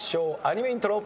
アニメイントロ。